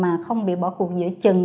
mà không bị bỏ cuộc giữa chừng